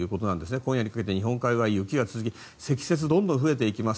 今夜にかけて日本海側は雪が続き積雪、どんどん増えていきます。